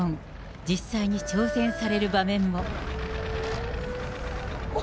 実際に挑戦される場面も。